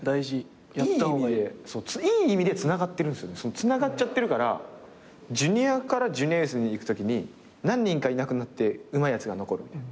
つながっちゃってるからジュニアからジュニアユースに行くときに何人かいなくなってうまいやつが残るみたいな。